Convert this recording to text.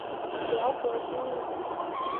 辽国军人。